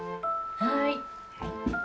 はい。